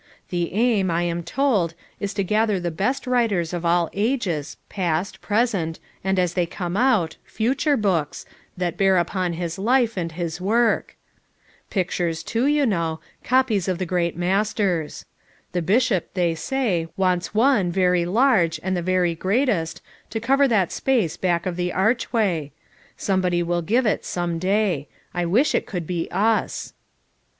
The aim, I am told, is to gather the best writ ings of all ages, past, present, and, as they come out, future books, that bear upon his life, and his work. Pictures too, you know, copies of FOUB MOTHERS AT CHAUTAUQUA 393 the great masters. The Bishop, they say, wants one, very large, and the very greatest, to cover that space back of the archway. Somebody will give it some day; I wish it could be us."